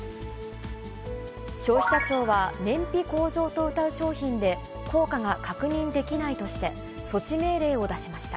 消費者庁は、燃費向上とうたう商品で効果が確認できないとして、措置命令を出しました。